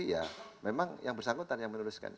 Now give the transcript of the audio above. ya memang yang bersangkutan yang menuliskan